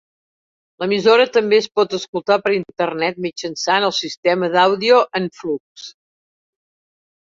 L'emissora també es pot escoltar per Internet mitjançant el sistema d'àudio en flux.